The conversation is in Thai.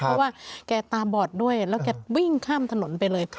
เพราะว่าแกตาบอดด้วยแล้วแกวิ่งข้ามถนนไปเลย